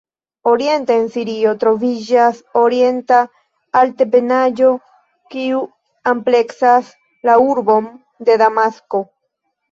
Oriente, en Sirio, troviĝas Orienta Altebenaĵo kiu ampleksas la urbon de Damasko.